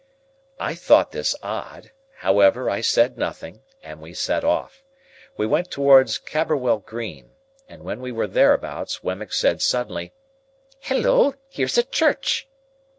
I thought this odd; however, I said nothing, and we set off. We went towards Camberwell Green, and when we were thereabouts, Wemmick said suddenly,— "Halloa! Here's a church!"